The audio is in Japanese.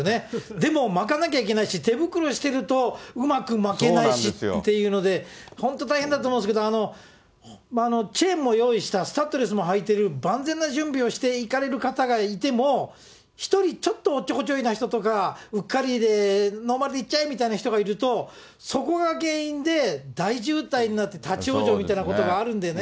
でも巻かなきゃいけないし、手袋してるとうまく巻けないしっていうので、本当大変だと思うんですけれども、チェーンも用意した、スタッドレスもはいてる、万全な準備をして行かれる方がいても、１人ちょっとおっちょこちょいな人とか、うっかりノーマルで行っちゃえみたいな人がいると、そこが原因で大渋滞になって立往生みたいなことがあるんでね。